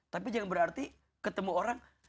tapi jangan berarti ketemu orang